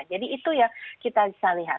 jadi itu yang kita bisa lihat